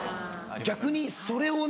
逆にそれをね